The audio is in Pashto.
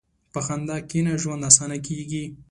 په خندا کښېنه، ژوند اسانه کېږي.